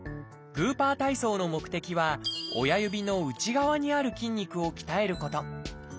グーパー体操の目的は親指の内側にある筋肉を鍛えること。